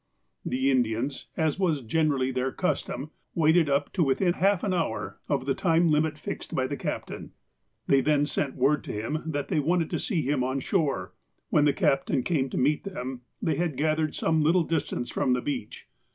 The Indians, as was generally their custom, waited up to within half an hour of the time limit fixed by the cap tain. Then they sent word to him that they wanted to see him on shore. When the captain came to meet them, they had gathered some little distance from the beach.